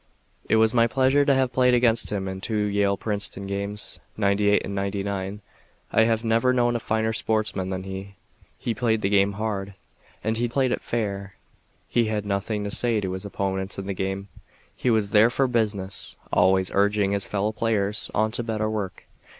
It was my pleasure to have played against him in two Yale Princeton games, '98 and '99. I have never known a finer sportsman than he. He played the game hard, and he played it fair. He had nothing to say to his opponents in the game. He was there for business. Always urging his fellow players on to better work.